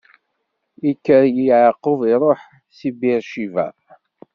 Ikker Yeɛqub iṛuḥ si Bir Cibaɛ.